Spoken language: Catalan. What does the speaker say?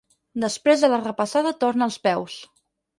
Després de la repassada torna als peus.